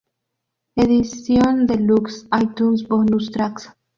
Edición Deluxe iTunes, Bonus Tracks